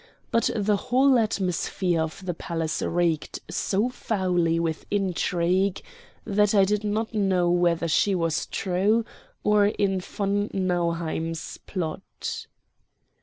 But the whole atmosphere of the palace reeked so foully with intrigue that I did not know whether she was true or in von Nauheim's plot.